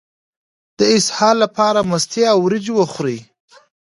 د اسهال لپاره مستې او وریجې وخورئ